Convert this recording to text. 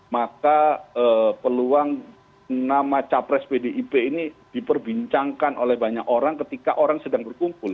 maka peluang nama capres pdip ini diperbincangkan oleh banyak orang ketika orang sedang berkumpul